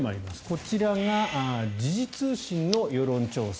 こちらが時事通信の世論調査。